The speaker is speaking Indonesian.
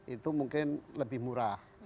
itu mungkin lebih murah